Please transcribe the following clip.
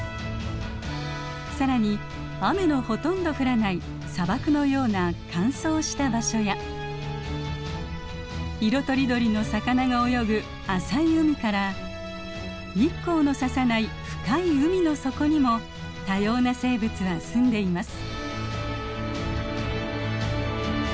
更に雨のほとんど降らない砂漠のような乾燥した場所や色とりどりの魚が泳ぐ浅い海から日光のささない深い海の底にも多様な生物はすんでいます。